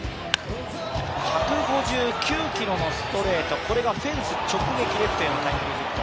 １５９キロのストレートがフェンス直撃のタイムリーヒット。